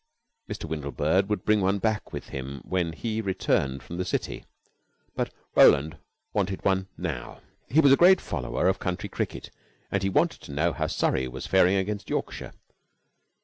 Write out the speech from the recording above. Mr. Windlebird would bring one back with him when he returned from the city, but Roland wanted one now. He was a great follower of county cricket, and he wanted to know how Surrey was faring against Yorkshire.